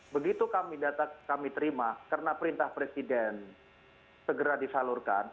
begitu kami data kami terima karena perintah presiden segera disalurkan